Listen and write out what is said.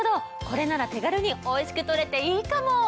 これなら手軽においしく取れていいかも！